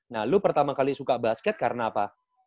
nah lo pertama kali suka basket karena apa